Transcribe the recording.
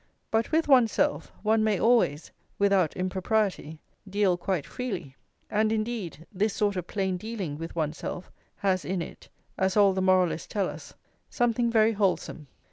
But with oneself one may always, without impropriety, deal quite freely; and, indeed, this sort of plain dealing with oneself has in it, as all the moralists tell us, something very wholesome.